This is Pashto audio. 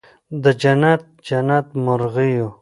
د جنت، جنت مرغېو